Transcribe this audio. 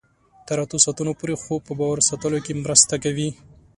تر اتو ساعتونو پورې خوب په باور ساتلو کې مرسته کوي.